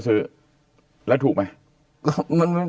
ซื้อแล้วถูกไหม